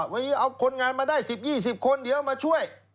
วันนี้เอาคนงานมาได้๑๐๒๐คนเดี๋ยวมาช่วย